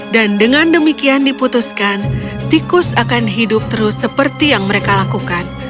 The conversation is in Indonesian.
dan dengan demikian diputuskan tikus akan hidup terus seperti yang mereka lakukan